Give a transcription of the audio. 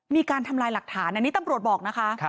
มีการทำลายหลักฐานอันนี้ตำรวจบอกนะคะ